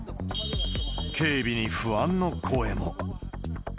警備に不安の声も。